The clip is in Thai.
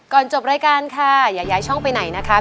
จบรายการค่ะอย่าย้ายช่องไปไหนนะคะ